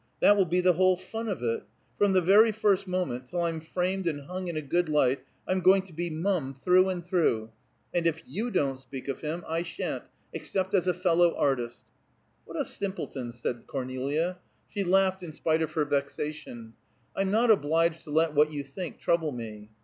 "That will be the whole fun of it. From the very first moment, till I'm framed and hung in a good light, I'm going to be mum, through and through, and if you don't speak of him, I sha'n't, except as a fellow artist." "What a simpleton!" said Cornelia. She laughed in spite of her vexation. "I'm not obliged to let what you think trouble me."